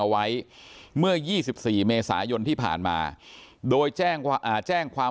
ไว้เมื่อ๒๔เมษายนที่ผ่านมาโดยแจ้งความ